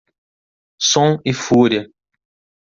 Som e fúria